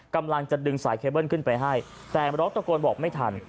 กำลังจะดึงสายเคเบิ้ลขึ้นไปให้แต่ร้องตะโกนบอกไม่ทัน